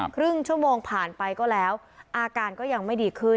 ครึ่งชั่วโมงผ่านไปก็แล้วอาการก็ยังไม่ดีขึ้น